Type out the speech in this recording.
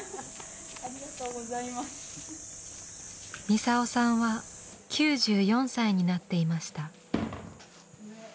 ミサオさんは９４歳になっていました。